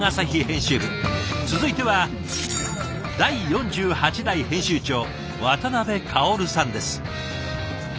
続いては第４８代編集長渡部薫さんです。